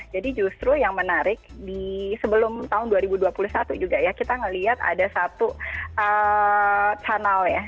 jadi justru yang menarik di sebelum tahun dua ribu dua puluh satu juga ya kita ngelihat ada satu channel ya